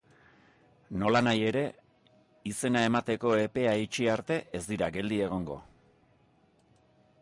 Nolanahi ere, izena emateko epea itxi arte ez dira geldi egongo.